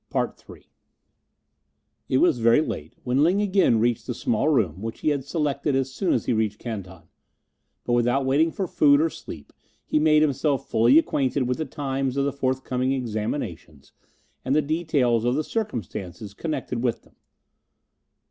CHAPTER III It was very late when Ling again reached the small room which he had selected as soon as he reached Canton, but without waiting for food or sleep he made himself fully acquainted with the times of the forthcoming examinations and the details of the circumstances connected with them.